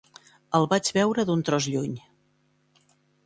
El vaig veure d'un tros lluny.